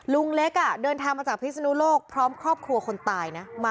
ลุงเล็กเดินทางมาจากพิศนุโลกพร้อมครอบครัวคนตายนะ